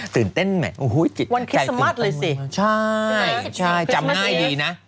ตื่นเต้นแหมอุ้ยวันคิดสมัสเลยสิใช่ใช่จำง่ายดีน่ะ